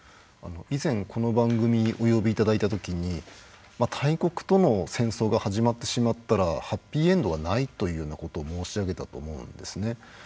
以前、この番組にお呼びいただいたときに大国との戦争が始まってしまったらハッピーエンドはないというようなことを申し上げたと思うんですね。